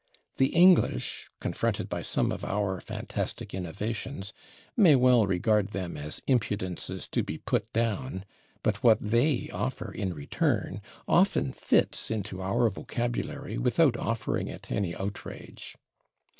The English, confronted by some of our fantastic innovations, may well regard them as impudences to be put down, but what they [Pg138] offer in return often fits into our vocabulary without offering it any outrage.